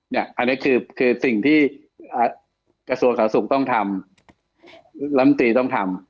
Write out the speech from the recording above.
เนี่ยอันนี้คือสิ่งที่กระทรวงสถาสุทธิ์ต้องทำลำตีต้องทำ